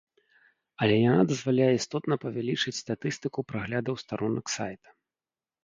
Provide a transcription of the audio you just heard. Але яна дазваляе істотна павялічыць статыстыку праглядаў старонак сайта.